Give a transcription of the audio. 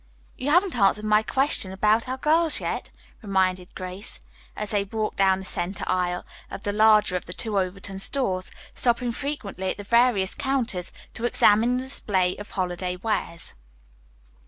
"You haven't answered my question about our girls yet," reminded Grace, as they walked down the center aisle of the larger of the two Overton stores, stopping frequently at the various counters to examine the display of holiday wares.